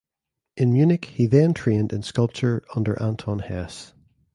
In Munich he then trained in sculpture under Anton Hess.